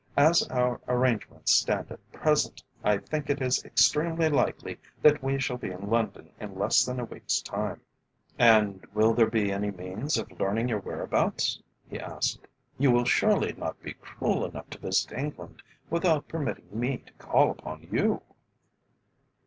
As our arrangements stand at present, I think it is extremely likely that we shall be in London in less than a week's time." "And will there be any means of learning your whereabouts?" he asked. "You will surely not be cruel enough to visit England without permitting me to call upon you?"